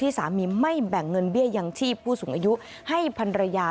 ที่สามีไม่แบ่งเงินเบี้ยอย่างที่ผู้สูงอายุให้ภรรยา